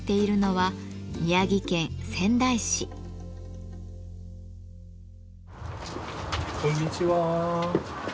はいこんにちは。